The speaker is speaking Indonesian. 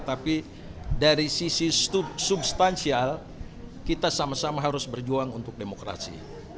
tapi dari sisi substansial kita sama sama harus berjuang untuk demokrasi